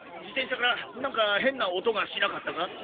自転車からなんか変な音がしなかったか？